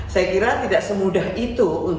saya kira tidak semudah itu